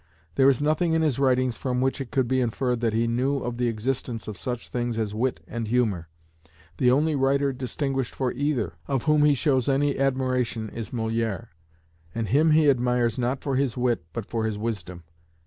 There is nothing in his writings from which it could be inferred that he knew of the existence of such things as wit and humour. The only writer distinguished for either, of whom he shows any admiration, is Molière, and him he admires not for his wit but for his wisdom.